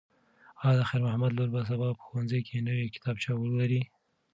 ایا د خیر محمد لور به سبا په ښوونځي کې نوې کتابچه ولري؟